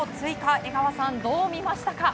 江川さん、どう見ましたか？